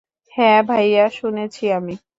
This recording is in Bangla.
হ্যাঁ ভাইয়া, শুনেছি আমি।